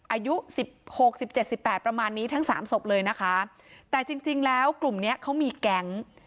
อายุสิบหกสิบเจ็ดสิบแปดประมาณนี้ทั้งสามศพเลยนะคะแต่จริงจริงแล้วกลุ่มเนี้ยเขามีแก๊ง